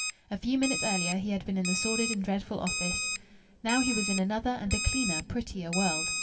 A few minutes earlier he had been in the sordid and dreadful office. Now he was in another and a cleaner, prettier world.